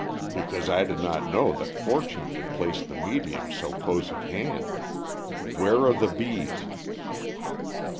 "Because I did not know that fortune had placed the medium so close at hand. Where are the bees?"